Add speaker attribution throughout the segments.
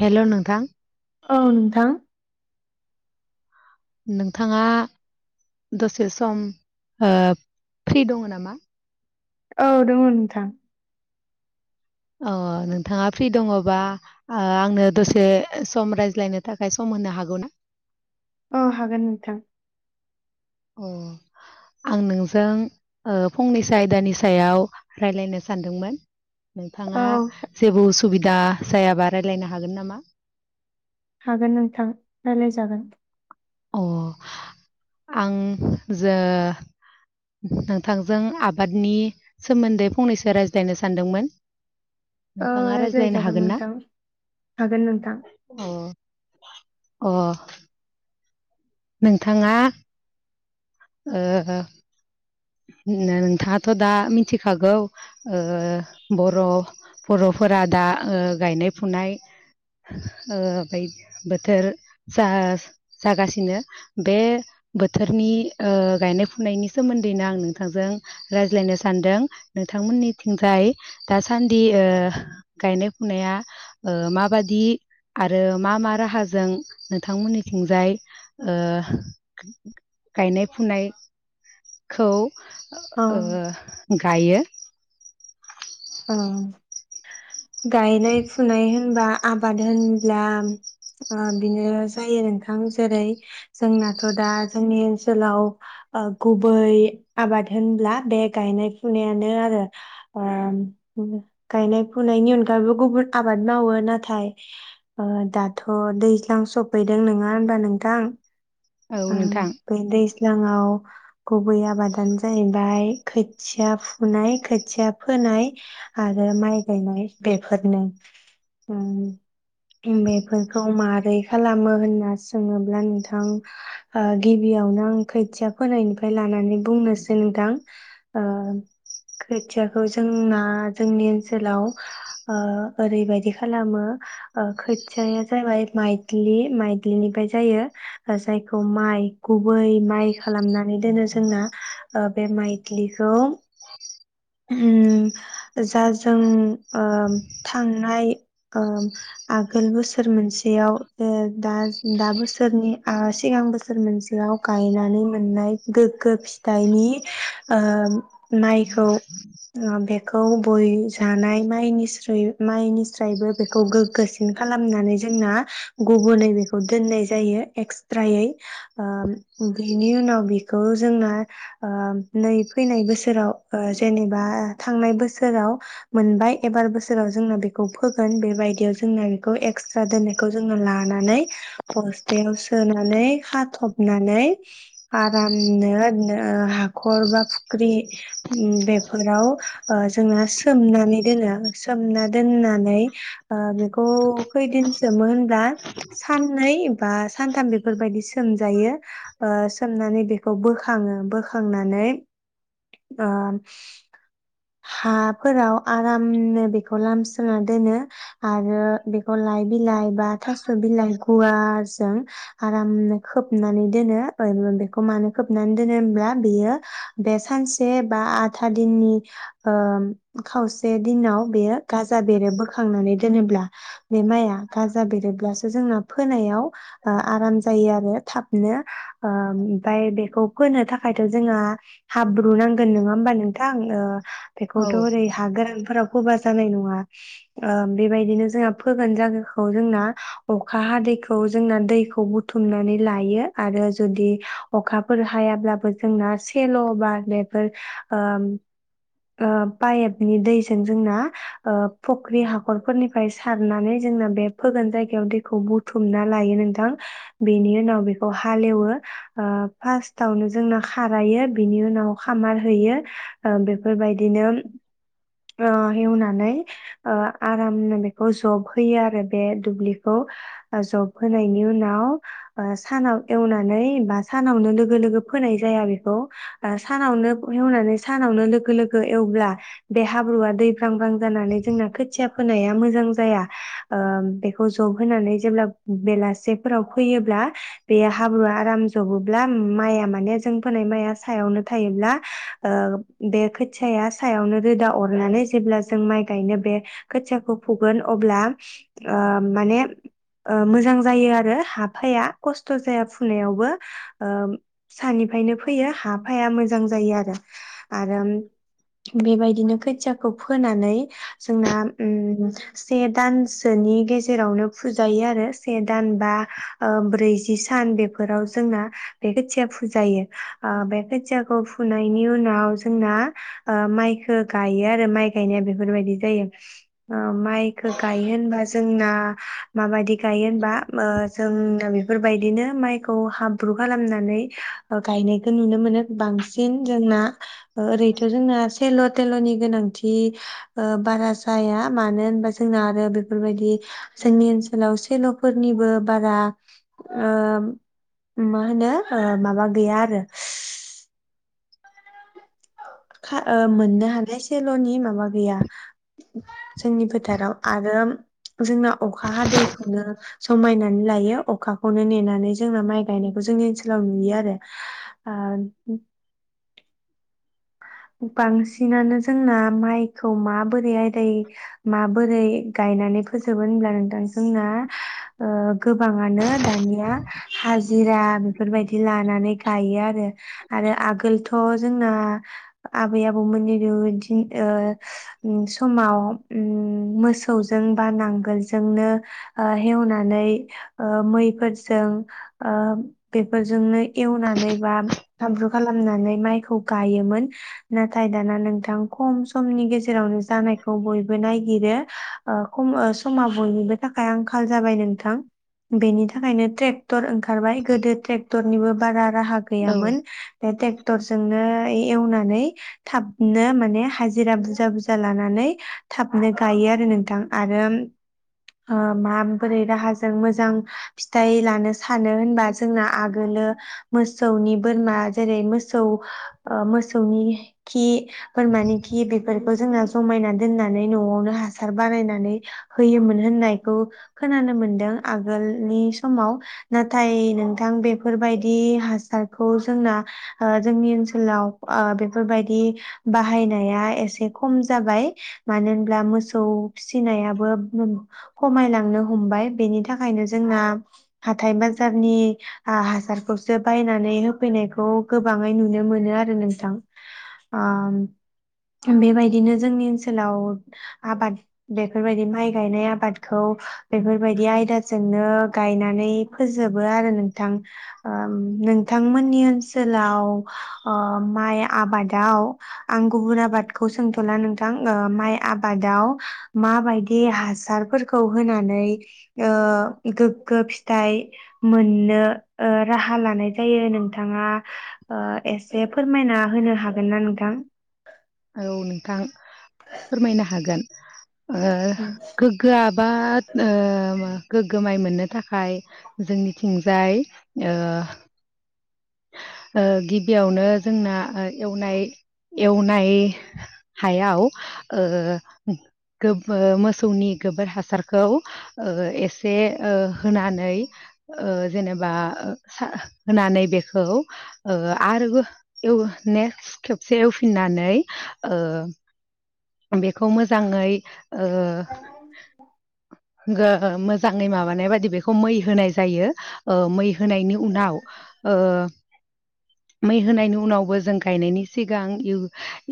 Speaker 1: Hello नोंथां
Speaker 2: औ नोंथां
Speaker 1: नोंथाङा दसे सम ओ फ्रि दंङ नामा?
Speaker 2: औ दंङ नोंथां
Speaker 1: अ नोंथाङा फ्रि दंङ बा आ आंनो दसे सम रायज्लायनो थाखाय सम होनो हागौ ना?
Speaker 2: औ हागोन नोंथां
Speaker 1: अ नोंजों ओ फंनैसो आयदानि सायाव रायलायनो सानदोंमोन।
Speaker 2: औ
Speaker 1: नोंथाङा जेबो उसुबिदा दा जायाबा रायलायनो हागोन नामा?
Speaker 2: हागोन नोंथां रायलायजागोन।
Speaker 1: अ आं जो नोंथांजों आबादनि सोमोन्दै फंनैसो रायज्लायनो सानदोंमोन।
Speaker 2: औ
Speaker 1: नोंथाङा रायज्लायनो
Speaker 2: रायज्लायजागोन
Speaker 1: हागोन ना?
Speaker 2: नोंथां हागोन नोंथां
Speaker 1: अ अ नोंथाङा ओ हो नो-नोंथाङाथ दा मिथिखागौ ओ बर-बरफोरा दा ओ गायनाय फुनाय ओ बोथोर जा जागासिनो बे बोथोरनि ओ गायनाय फुनायनि सोमोन्दै नि आं नोंथांजों रायज्लायनो सानदों नोंथांमोननि थिंजाय दासान्दि ओ गायनाय फुनाया ओ माबादि आरो मा मा राहाजों नोंथांमोननि थिंजाय ओ गायनाय फुनाय खौ
Speaker 2: औ
Speaker 1: ओ गायो
Speaker 2: ओं गायनाय फुनाय होनबा आबाद होनब्ला ओ बिनो जायो नोंथां जेरै जोंनाथ दा जोंनि ओनसोलाव ओ गुबै आबाद होनब्ला बे गायनाय फुनायानो आरो ओम गायनाय फुनायनि अनगायैबो गुबुन आबाद मावो नाथाय दाथ दैज्लां सफैदों नङा होनबा नोंथां
Speaker 1: औ
Speaker 2: ओं
Speaker 1: नोंथां
Speaker 2: बे दैज्ल सिगाङाव गुबै आबादानो जाहैबाय खोथिया फुनाय खोथिया फोनाय आरो माइ गायनाय बेफोरनो बेफोरखौ मार बै खालामो होनना सोङोब्ला नोंथां ओ गिबियावनो आं खोथिया फोनायनिफ्राय लानानै बुंनोसै नोंथां ओ खोथियाखौ जोंना जोंनि ओनसोलाव ओ ओरैबायदि खालामो खोथियाया जाबाय माइद्लि माइद्लिनिफ्राय जायो जायखौ माइ गुबै माइ खालामनानै दोनो जोंना ओ बे माइ द्लिखौ उम जा जों ओ थांनाय ओ आगोल बोसोर मोनसेयाव दा दा बोसोरनि ओ सिगां बोसोर मोनसेयाव गायनानै मोननाय गोग्गो फिथाइनि ओ माइखौ बेखौ बय जानाय माइनिस्राय माइनिस्रायबो बेखौ गोग्गोसिन खालामनानै जोंना गुबुनै बेखौ दोननाय जायो एक्सट्रायै ओ बेनि उनाव बेखौ जोंना ओ नै फैनाय बोसोराव जेनेबा थांनाय बोसोराव मोनबाय एबार बोसोराव जोंना बेखौ फोगोन बेबायदियाव जोंना बेखौ एक्सट्रा दोननायखौ जों लानानै बस्टायाव सो सोनानै खाथबनानै आरामनो-नो हाखर बा फुख्रि उम बेफोराव ओ जोंना सोमनानै दोनो सोमना दोननानै ओ बेखौ खैदिन सोमो होनब्ला साननै बा सानथाम बेफोरबायदि सोमजायो ओ सोमनानै बेखौ बोखाङो बोखांनानै ओ हाफोराव आरामनो बेखौ लामस्रोना दोनो आरो बेखौ लाइ बिलाइ बा थास बिलाइ गुवारजों आरामनो खोबनानै दोनो ओ बेखौ मानो खोबनानै दोनो होमब्ला बेयो बे सानसे बा आथा दिननि ओ खावसे दिनाव बेयो गाजा बेरो बोखांनानै दोनोब्ला बे माइया गाजा बेरोब्लासो जोंना फोनायाव आराम जायो आरो थाबनो ओम फाय बेखौ फोनो थाखायथ जोंहा हाब्रुुनांगोन नङा होमबा नोंथां ओ
Speaker 1: औ
Speaker 2: बेखौथ ओरै हागोरान फोराव होबा जानाय नङा ओ बेबायदिनो जोंहा फोगोन जागाखौ जोंना अखा हादैखौ जोंना दैखौ बुथुमनानै लायो आरो जुदि अखाफोर हायाब्लाबो जोंना सेल ब बेफोर ओ ओ पाइपनि दैजों जोंना ओ फख्रि हाखरफोरनिफ्राय सारनानै जोंना बे फोगोन जायगायाव दैखौ बुथुमना लायो नोंथां बेनि उनाव बेखौ हालेवो ओ फारतावनो जोंनो खारायो बेनि उनाव खामार होयो ओ बेफोरबायदिनो ओ एवनानै आरामनो बेखौ जब होयो आरो बे दुब्लिखौ जब होनायनि नि उनाव ओ सानाव एवनानै बा सानावनो लोगो लोगो फोनाय जाया बेखौ ओ सानावनो हेवनानै सानावनो‌ लोगो लोगो हेवब्ला बे हाब्रुआ दै ब्रां ब्रां जानानै जोंना खोथिया होनाया मोजां जाया ओ बेखौ जब होनानै जेब्ला बेलासे सेफोराव फैयोब्ला बे हाब्रुआ आराम जबोब्ला माइआ माने जों फोनाय माइआ सायावनो थायोब्ला ओ बे खोथिया सायावनो रोदा अरनानै जेब्ला जों माइ गायनो बे खोथियाखौ फुगोन अब्ला ओ माने ओ मोजां जायो आरो हा फाया खस्थ जाया फुनायावबो ओ सानिफ्रायनो फैयो हा फाया मोजां जायो आरो आरो बेबायदिनो खोथियाखौ फोनानै जोंना से दानसोनि गेजेरावनो फुजायो आरो से दान बा ओ ब्रैजि सान बेफोराव जोंना बे खोथिया फुजायो ओ बे खोथियाखौ फुनायनि उनाव जोंना ओ माइखौ गायो आरो माइ गायनाया बेफोरबायदि जायो ओ माइखौ गायो होनबा जोंना ह मा बायदि गायो होनबा ओ जोंनो बेफोरबायदिनो माइखौ हाब्रु खालामनानै ओ गायनायखौ नुनो मोनो बांसिन जोंना ओरैथ जोंना थेल थेलनि गोनांथि ओ बारा जाया मानो होनबा जोंना आरो बेफोरबायदि जोंनि ओनसोलाव सेलफोरनिबो बारा ओ मा होनो माबा गैया आरो खा मोननो हानाय सलनि माबा गैया जोंनि फोथाराव आरो जोंना अखा हादैै खौनो जमायनानै लायो अखा खौनो नेनानै जोंना माइ गायनायखौ जोंनि ओनसोलाव नुयो आरो ओ बांसिनानो जोंना माइखौ माबोरैआय दै माबोरै गायनानै फोजोबो होनब्ला नोंथां जोंना ओ गोबाङानो दानिया हाजिरा बेफोरबायदि लानानै गायो आरो आरो आगोलथ जोंना आबै आबौमोननि दिन ओ समाव उम मोसौजों बा नांगोलजोंनो ओ हेवनानै ओ मैफोरजों ओ बेफोरजोंनो एवनानै बा फानब्रु खालामनानै माइखौ गायो मोन नाथाय दाना नोंथां खम समनि गेजेरावनो जानायखौ बयबो नायगिरो खम समा बयनिबो थाखाय आंखाल जाबाय नोंथां बेनि थाखायनो ट्रेक टर ओंखारबाय गोदो ट्रेक टरनिबो बारा राहा
Speaker 1: औ
Speaker 2: गैयामोन बे ट्रेक्टरजों‌नो एवनानै थाबनो माने हाजिरा बुरजा बुरजा लानानै थाबनो गायो आरो नोंथां आरो ओ माबोरै राहाजों मोजां फिथाइ लानो सानो होनबा जोंना आगोलो मोसौनि बोरमा जेरै मोसौ ओ मोसौनि खि बोरमानि खि बेफोरखौ जोंना जमायना दोननानै नआवनो हासार बारायनानै होयोमोन होननायखौ खोनानो मोनदों आगोलनि समाव नाथाय नोंथां बेफोरबायदि हासारखौ जोंना ओ जोंनि ओनसोल लाव ओ बेफोर बायदि बाहायनाया एसे खम जाबाय। मानो होनब्ला मोसौ फिसिनायाबो खमायलांनो हमबाय बेनि थाखायनो जोंना हाथाय बाजारनि हासारखौसो बायनानै होफैनायखौ गोबाङै नुनो मोनो। आरो नोंथां बेबायदिनो जोंनि ओनसोलाव आबाद बेफोरबायदि माइ गायनाय आबादखौ बेफोरबायदि आयदाजों जोंनो गायनानै फोजोबो आरो नोंथां नोंथांमोननि ओनसोलाव ओ माइ आबादाव आं गुबुन आबादखौ सोंथला नोंथां माइ आबादाव माबायदि हासारफोरखौ होनानै ओ गोग्गो फिथाइ मोननो ओ राहा लानाय जायो नोंथाङा ओ एसे फोरमायना होनो हागोन ना नोंथां?
Speaker 1: औ नोंथां फोरमायनो हागोन गोग्गोआ बाद ओ गोग्गो माइ मोननो थाखाय जोंनिथिंजाय ओ ओ गिबियावनो जोंना एवनाय एवनाय हायाव ओ मोसौनि गोबोर हासारखौ ओ एसे ओ होनानै ओ जेनेबा होनानै बे खौ आरोबो एवो नेक्सथ खेबसे एवफिननानै ओ बेखौ मोजाङै
Speaker 2: ए
Speaker 1: ओ मोजाङै माबानाय बायदि बेखौ मै होनाय जायो ओ मै होनायनि उनाव ओ मै होनायनि उनावबो जों गायनायनि सिगां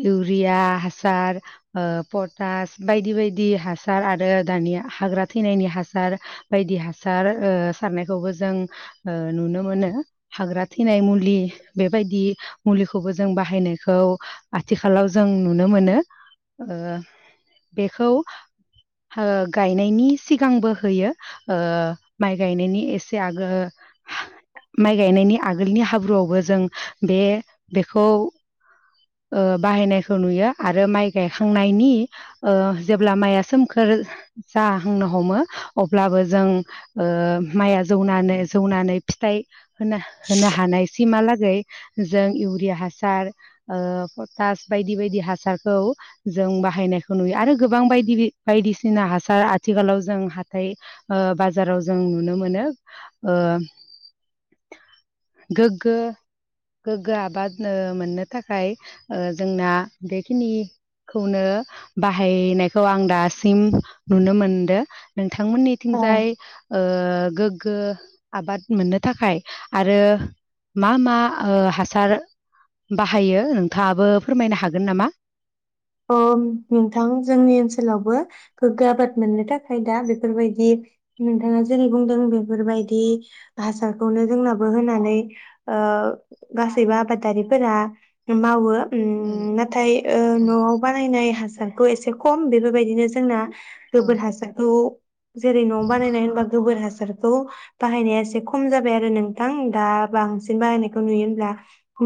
Speaker 1: इउरिया हासार ओ पटास बायदि बायदि हासार आरो दानि हाग्रा थैनायनि हासार बायदि हासार ओ सारनायखौबो जों ओ नुनो मोनो हाग्रा थैनाय मुलि बेबायदि मुलिखौबो जों बाहायनायखौ आथिखालाव जों नुनो मोनो ओ बेखौ ओ गायनायनि सिगांबो होयो ओ माइ गायनायनि एसे आगो माइ गायनायनि आगोलनि हाब्रुआवबो जों बे बेखौ ओ बाहायनायखौ नुयो आरो माइ गायखांनायनि ओ जेब्ला माइआ सोमखोर जाहांनो हमो अब्लाबो जों ओ माइआ जौनानै जौनानै फिथाइ होन होनो हानायसै सिमहालागै जों इउरिया हासार ओ पटास बायदि बायदि हासारखौ जों बाहायनायखौ नुयो आरो गोबां बायदि बायदिसिना हासार आथिखालाव जों हाथाइ ओ बाजाराव जों नुनो मोनो ओ गोग्गो गोग्गो आबाद ओ मोननो थाखाय ओ जोंना बेखिनिखौनो बाहायनायखौ आं दासिम नुनो मोनदों।
Speaker 2: औ
Speaker 1: नोंथांमोननिथिंजाय ओ गोग्गो आबाद मोननो थाखाय आरो मा मा ओ हासार बाहायो नोंथाङाबो फोरमायनो हागोन नामा?
Speaker 2: अ नोंथां जोंनि ओनसोलावबो गोग्गो आबाद मोननो थाखाय दा बेफोरबायदि नोंथाङा जेरै बुंदों बेफोरबायदि हासारखौनो जोंनाबो होनानै ओ गासैबो आबादारिफोरा मावो। उम नाथाय ओ
Speaker 1: उम
Speaker 2: नआव बायनाय हासारखौ एसे खम बेफोरबायदिनो जोंना गोबोर हासाराखौ जेरै न'आव बानायनाय होनबा गोबोर हासार हासारखौ बाहायनाया एसे खम जाबाय आरो नोंथां दा बांसिन बाहायनायखौ नुयो होनब्ला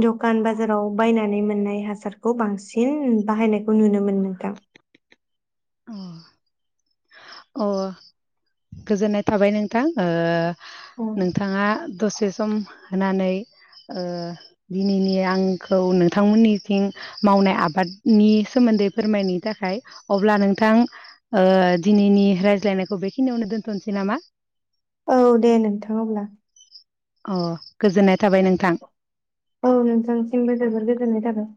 Speaker 2: द'खान बाजाराव बायनानै मोननाय हासारखौ बांसिन बाहायनाय खौ नुनो मोनो नोंथां।
Speaker 1: अ अ गोजोननाय थाबाय नोंथां ओ
Speaker 2: औ
Speaker 1: नोंथाङा दसे सम होनानै दिनैनि आंखौ नोंथांमोननिथिं मावनाय आबादनि सोमोन्दै फोरमायनो थाखाय अब्ला नों नोंथां दिनैनि रायज्लायनायखौ बेखिनियावनो दोन्थनोसै नामा?
Speaker 2: औ दे नोंथां अब्ला।
Speaker 1: अ गोजोननाय थाबाय नोंथां
Speaker 2: औ नोंथांसिमबो जोबोर गोजोननाय थाबाय।